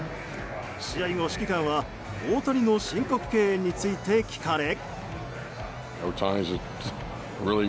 試合後、指揮官は大谷の申告敬遠について聞かれ。